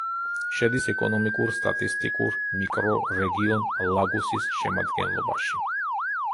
შედის ეკონომიკურ-სტატისტიკურ მიკრორეგიონ ლაგუსის შემადგენლობაში.